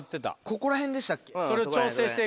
ここら辺でしたっけ？